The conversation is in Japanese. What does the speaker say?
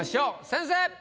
先生！